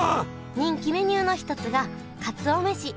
人気メニューの一つがかつお飯。